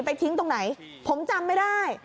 ทิ้งตรงไหนผมจำไม่ได้